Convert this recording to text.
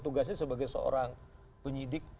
tugasnya sebagai seorang penyidik